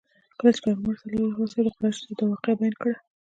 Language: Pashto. کله چې پیغمبر صلی الله علیه وسلم قریشو ته دا واقعه بیان کړه.